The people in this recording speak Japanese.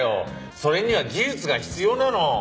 それには技術が必要なの。